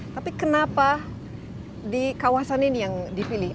tapi kenapa di kawasan ini yang dipilih